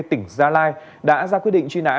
tỉnh gia lai đã ra quyết định truy nã